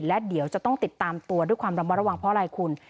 และเดี๋ยวจะต้องติดตามตัวด้วยความระมัดระวังเพราะอะไรคุณ